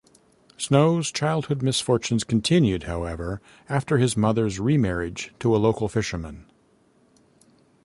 Snow's childhood misfortunes continued, however, after his mother's remarriage to a local fisherman.